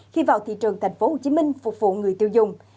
khi vào thị trường thành phố hồ chí minh phục vụ người tiêu dùng